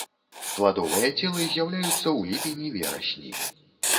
Пладовыя целы з'яўляюцца ў ліпені-верасні.